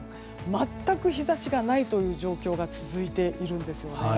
全く日差しがないという状況が続いているんです。